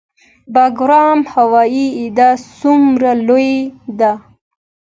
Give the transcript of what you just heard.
بګرام هوایي اډه څومره لویه ده؟